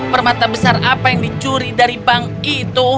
permata besar apa yang dicuri dari bank itu